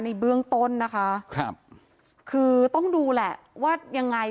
ในเบื้องต้นนะคะครับคือต้องดูแหละว่ายังไง